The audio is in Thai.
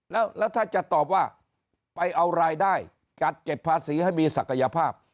แล้วถ้าจะตอบว่าไปเอารายได้กัดเก็บภาษีให้มีศักยภาพ